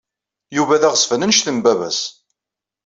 Yuba d aɣezfan anect n baba-s.